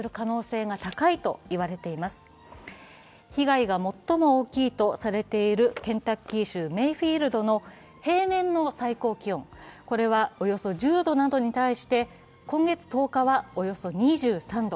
被害が最も大きいとされているケンタッキー州メイフィールドの平年の最高気温はおよそ１０度などに対して、今月１０日は、およそ２３度。